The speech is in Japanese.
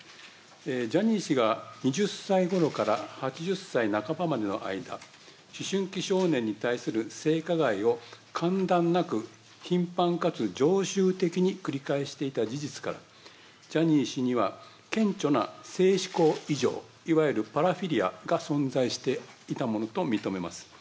ジャニー氏が２０歳ごろから８０歳半ばまでの間、思春期少年に対する性加害を間断なく頻繁かつ常習的に繰り返していた事実から、ジャニー氏には顕著な性しこう異常、いわゆるパラフィリアが存在していたものと認めます。